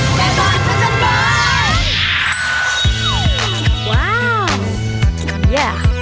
มั๊ยบานพระเจ้าบาล